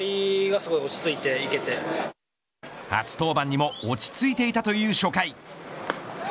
初登板にも落ち着いていたという初回。